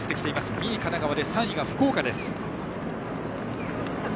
２位が神奈川で３位が福岡です。